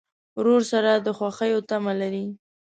ورور سره د خوښیو تمه لرې.